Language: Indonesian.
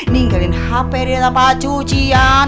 ninggalin hp dia dapat cucian